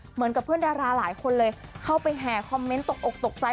เหมือนกับเพื่อนดาราหลายคนเลยเข้าไปแห่คอมเมนต์ตกอกตกใจ